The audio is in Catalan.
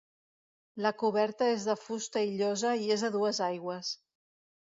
La coberta és de fusta i llosa i és a dues aigües.